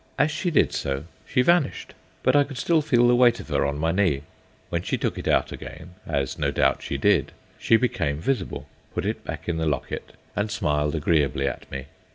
As she did so she vanished, but I could still feel the weight of her on my knee. When she took it out again (as no doubt she did) she became visible, put it back in the locket, and smiled agreeably at me.